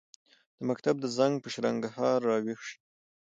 د مکتب د زنګ، په شرنګهار راویښ شي